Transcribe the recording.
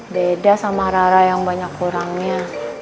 beda sama rara yang banyak kurangnya